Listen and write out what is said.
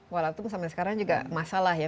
walaupun sampai sekarang juga masalah ya